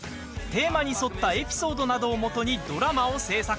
テーマに沿ったエピソードなどをもとにドラマを制作。